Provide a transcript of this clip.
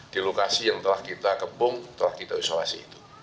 di lokasi yang telah kita kepung telah kita isolasi itu